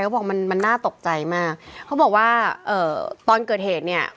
เขาบอกมันมันน่าตกใจมากเขาบอกว่าเอ่อตอนเกิดเหตุเนี่ย